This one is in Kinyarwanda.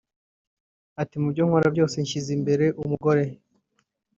Ati “Mu byo nkora byose ubu nshyize imbere umugore